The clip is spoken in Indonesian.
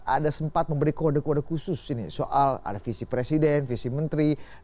ada sempat memberi kode kode khusus ini soal ada visi presiden visi menteri